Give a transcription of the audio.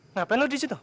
ngapain lu disitu